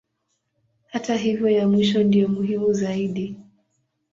Hata hivyo ya mwisho ndiyo muhimu zaidi.